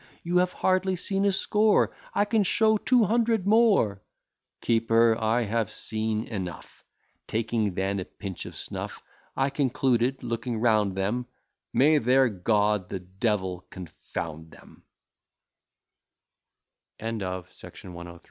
You have hardly seen a score; I can show two hundred more." Keeper, I have seen enough. Taking then a pinch of snuff, I concluded, looking round them, "May their god, the devil, confound